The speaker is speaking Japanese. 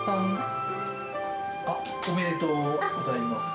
あっ、おめでとうございます。